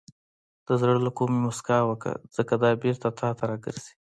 • د زړه له کومې موسکا وکړه، ځکه دا بېرته تا ته راګرځي.